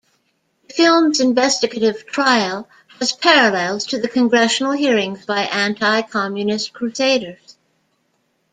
The film's investigative trial has parallels to the congressional hearings by anti-communist crusaders.